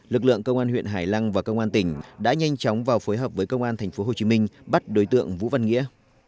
lực lượng công an huyện hải lăng và công an tỉnh đã nhanh chóng vào phối hợp với công an tp hcm bắt đối tượng vũ văn nghĩa